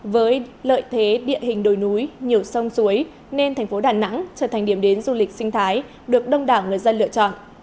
với lợi thế địa hình đồi núi nhiều sông suối nên thành phố đà nẵng trở thành điểm đến du lịch sinh thái được đông đảo người dân lựa chọn